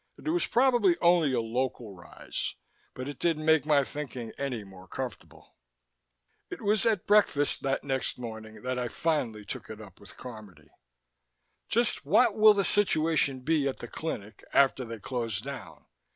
It was probably only a local rise. But it didn't make my thinking any more comfortable. It was at breakfast that next morning when I finally took it up with Carmody. "Just what will the situation be at the clinic after they close down?